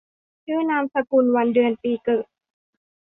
ชื่อนามสกุล วันเดือนปีเกิด